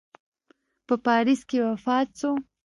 په پاریس کې وفات سو.